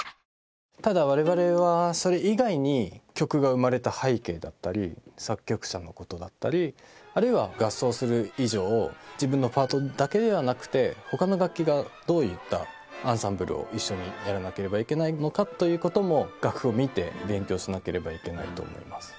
ただ我々はそれ以外に曲が生まれた背景だったり作曲者のことだったりあるいは合奏する以上自分のパートだけではなくて他の楽器がどういったアンサンブルを一緒にやらなければいけないのかということも楽譜を見て勉強しなければいけないと思います。